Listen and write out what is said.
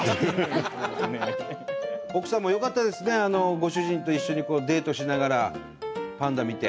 奥さんもよかったですねご主人と一緒にデートしながらパンダ見て。